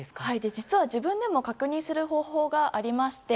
実は、自分でも確認する方法がありまして